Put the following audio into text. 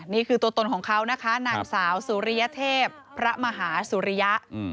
นี่คือตัวตนของเขานะคะนางสาวสุริยเทพพระมหาสุริยะ